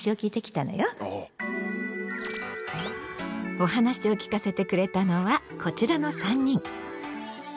お話を聞かせてくれたのはこちらの３人。